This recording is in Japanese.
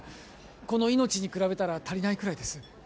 この命に比べたら足りないくらいです